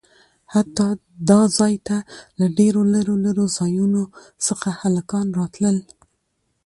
حتا د ځاى ته له ډېرو لرو لرو ځايونه څخه هلکان راتلل.